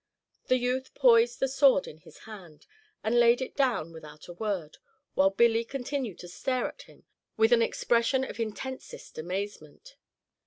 The youth poised the sword in his hand, and laid it down without a word; while Billy continued to stare at him with an expression of intensest amazement.